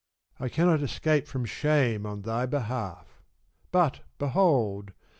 I cannot escape from shame on thy behalf But behold !